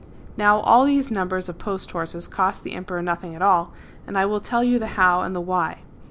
Now all these numbers of post horses cost the Emperor nothing at all ; and I will tell you the how and the why.